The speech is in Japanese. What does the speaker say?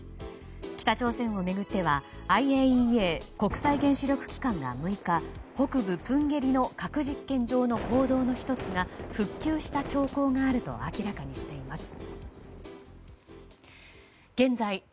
北朝鮮を巡ってはＩＡＥＡ・国際原子力機関が６日、北部プンゲリの核実験場の坑道の１つが復旧した兆候があると明らかにしています。